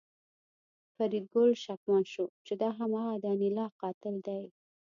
فریدګل شکمن شو چې دا هماغه د انیلا قاتل دی